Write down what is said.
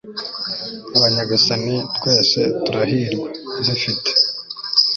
aba nyagasani twese turahirwa, dufite